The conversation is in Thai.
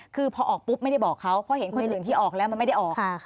คือพอออกปุ๊บไม่ได้บอกเขาเพราะเห็นคนอื่นที่ออกแล้วมันไม่ได้ออก